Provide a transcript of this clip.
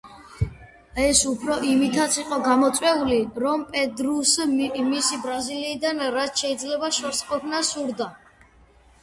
ეს უფრო იმითაც იყო გამოწვეული, რომ პედრუს მისი ბრაზილიიდან რაც შეიძლება შორს ყოფნა სურდა.